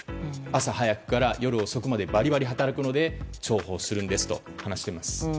朝早くから夜遅くまでバリバリ働くので重宝するんですと話しています。